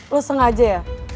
lu sengaja ya